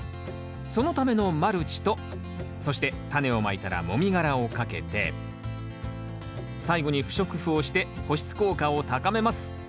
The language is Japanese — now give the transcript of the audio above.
そのためのマルチとそしてタネをまいたらもみ殻をかけて最後に不織布をして保湿効果を高めます。